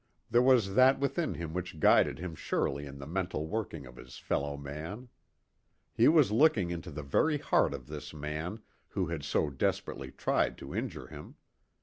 There was that within him which guided him surely in the mental workings of his fellow man. He was looking into the very heart of this man who had so desperately tried to injure him.